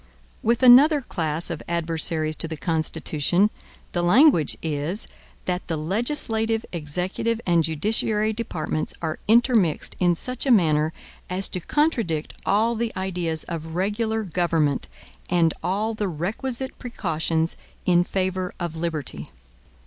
With another class of adversaries to the Constitution the language is that the legislative, executive, and judiciary departments are intermixed in such a manner as to contradict all the ideas of regular government and all the requisite precautions in favor of liberty.